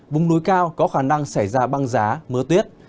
vùng núi cao có khả năng xảy ra băng giá mưa tuyết